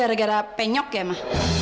gara gara penyok ya mah